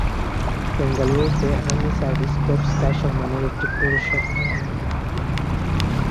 বেঙ্গালুরুতে army service corps তাঁর সম্মানের একটি প্রবেশদ্বার নির্মাণ করেছে।